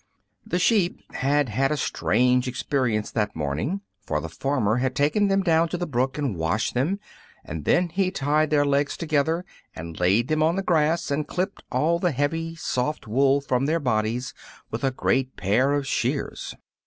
The sheep had had a strange experience that morning, for the farmer had taken them down to the brook and washed them, and then he tied their legs together and laid them on the grass and clipped all the heavy, soft wool from their bodies with a great pair of shears.